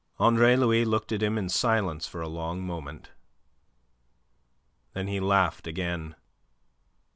Andre Louis looked at him in silence for a long moment. Then he laughed again.